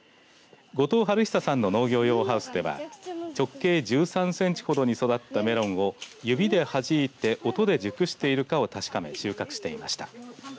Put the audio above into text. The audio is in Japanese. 後藤春尚さんの農業用ハウスでは直径１３センチほどに育ったメロンを指ではじいて音で熟しているかを確かめ収穫していました。